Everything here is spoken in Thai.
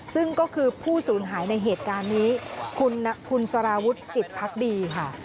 ซึ่งก็คือผู้สูญหายในเหตุการณ์นี้คุณสารวุฒิจิตภักดีค่ะ